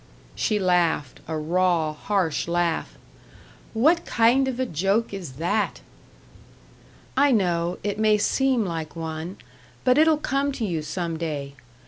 She laughed a raw, harsh laugh. "What kind of a joke is that?" "I know it may seem like one. But it'll come to you some day.